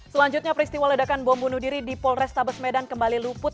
selanjutnya peristiwa ledakan bom bunuh diri di polrestabes medan kembali luput